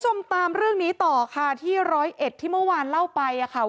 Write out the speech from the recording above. จมตามเรื่องนี้ต่อค่ะที่๑๐๑ที่เมื่อวานเล่าไปค่ะ